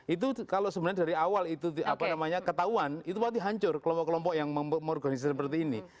itu kalau sebenarnya dari awal itu ketahuan itu waktu hancur kelompok kelompok yang mengorganisasi seperti ini